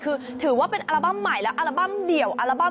คือถือว่าเป็นอาลาบัมใหม่และอาลาบัมเดียว